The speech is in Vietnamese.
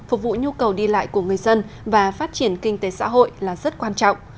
phục vụ nhu cầu đi lại của người dân và phát triển kinh tế xã hội là rất quan trọng